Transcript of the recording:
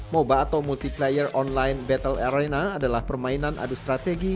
moba atau multiplayer online battle arena adalah permainan adu strategi